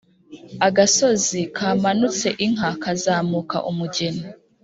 agasozi kamanutse inka kazamuka umugeni